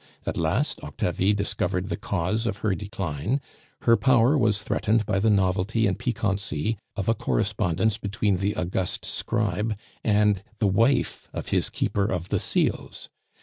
At last Octavie discovered the cause of her decline; her power was threatened by the novelty and piquancy of a correspondence between the august scribe and the wife of his Keeper of the Seals.